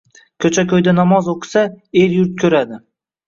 Ko‘cha-ko‘yda namoz o‘qisa — el-yurt ko‘radi.